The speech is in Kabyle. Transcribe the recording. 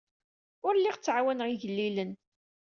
Ur lliɣ ttɛawaneɣ igellilen.